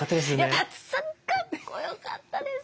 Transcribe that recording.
舘さんかっこよかったです。